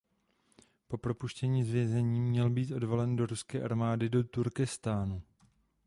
Po propuštění z vězení měl být odvelen do ruské armády do Turkestánu.